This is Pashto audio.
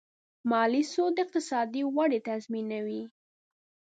مالي سواد د اقتصادي ودې تضمینوي.